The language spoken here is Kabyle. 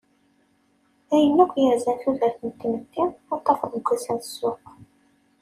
Ayen akk yerzan tudert n tmetti, ad t-tafeḍ deg wass n ssuq.